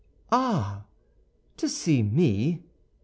"Ah, to see me?"